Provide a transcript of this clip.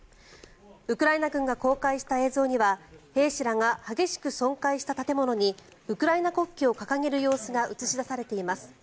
ウクライナ軍が公開した映像には兵士らが激しく損壊した建物にウクライナ国旗を掲げる様子が映し出されています。